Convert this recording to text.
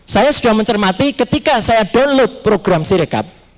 saya sudah mencermati ketika saya download program sirekap